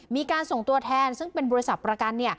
มีการส่งตัวแทนซึ่งเป็นบริษัทประกัน